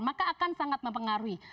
maka akan sangat mempengaruhi